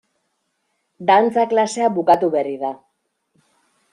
Dantza klasea bukatu berri da.